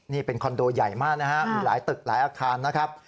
นี่เป็นคอนโดใหญ่มากนะครับมีหลายตึกหลายอาคารนะครับ